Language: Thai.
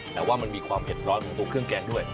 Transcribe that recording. แต่ว่ามันมีความเผ็ดร้อนของตัวเครื่องแกงด้วย